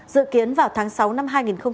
dự kiến vào tháng sáu năm hai nghìn một mươi chín